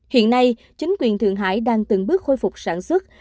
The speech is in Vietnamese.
hiện nay chính quyền thượng hải đang từng bước khôi phục sản xuất